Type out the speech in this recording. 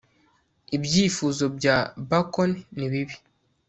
ibyifuzo bya bacon nibi